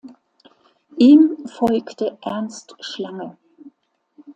Ihm folgte Ernst Schlange.